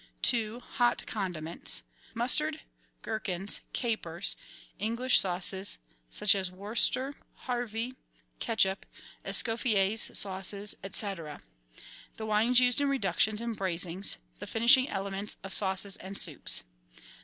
2. Hot condiments. — Mustard, gherkins, capers, English sauces, such as Worcester, Harvey, Ketchup, Escoffier's sauces, &c.; the wines used in reductions and braisings; the finishing elements of sauces and soups.